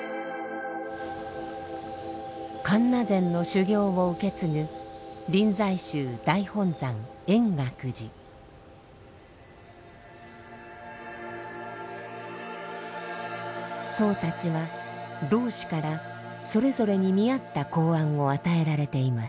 看話禅の修行を受け継ぐ僧たちは老師からそれぞれに見合った公案を与えられています。